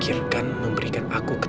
karena yang paling penting adalah untuk kamu